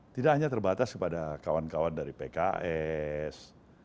tidak hanya terbatas kepada kawan kawan dari pks